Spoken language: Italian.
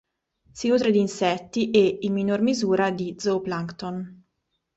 Si nutre di insetti e, in minor misura, di zooplancton.